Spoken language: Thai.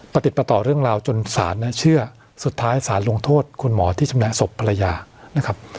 ประติดประต่อเรื่องราวจนศาลเชื่อสุดท้ายสารลงโทษคุณหมอที่ชำนาญศพภรรยานะครับ